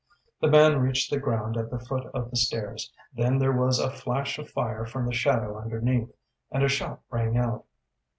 The man reached the ground at the foot of the stairs, then there was a flash of fire from the shadow underneath, and a shot rang out.